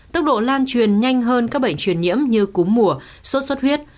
tốc độ lan truyền nhanh hơn các bệnh truyền nhiễm như cúm mùa sốt xuất huyết